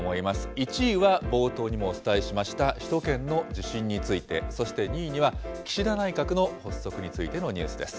１位は冒頭にもお伝えしました、首都圏の地震について、そして２位には、岸田内閣の発足についてのニュースです。